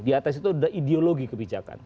di atas itu ada ideologi kebijakan